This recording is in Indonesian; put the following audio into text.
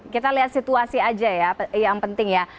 kita lihat situasi aja ya yang penting ya